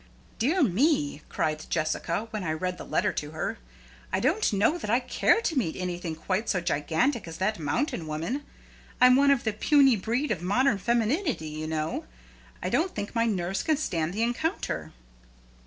"Dear me!" cried Jessica, when I read the letter to her; "I don't know that I care to meet anything quite so gigantic as that mountain woman. I'm one of the puny breed of modern femininity, you know. I don't think my nerves can stand the encounter."